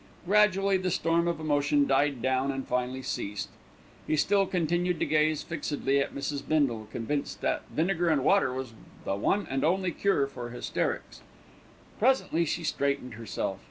Gradually the storm of emotion died down and finally ceased. He still continued to gaze fixedly at Mrs. Bindle, convinced that vinegar and water was the one and only cure for hysterics. Presently, she straightened herself.